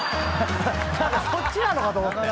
そっちなのかと思って。